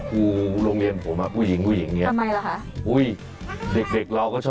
เกิดว่าคุณครูนะมีจิตใจอันกล้าหาร